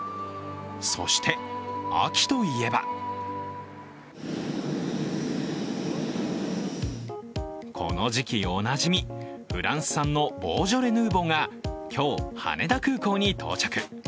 そして秋といえばこの時期おなじみ、フランス産のボージョレ・ヌーボーが今日、羽田空港に到着。